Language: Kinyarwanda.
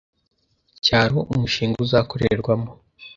cyaro umushinga uzakorerwamo